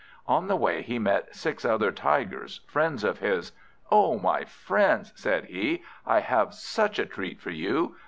On the way, he met six other Tigers, friends of his. "Oh my friends!" said he, "I have such a treat for you!